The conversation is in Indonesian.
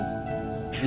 mereka bisa berdua